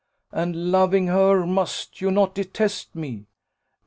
And, loving her, must you not detest me?"